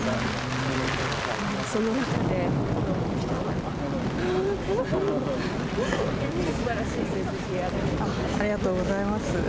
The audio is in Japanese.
その中で、ありがとうございます。